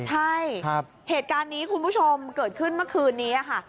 ใช่เหตุการณ์นี้คุณผู้ชมเกิดขึ้นเมื่อคืนนี้ค่ะ